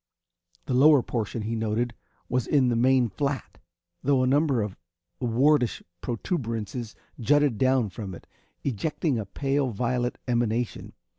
The lower portion, he noted, was in the main flat, though a number of wartish protuberances jutted down from it, ejecting a pale violet emanation.